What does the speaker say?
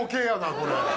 これ。